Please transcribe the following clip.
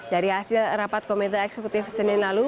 dari hasil rapat komite eksekutif senin lalu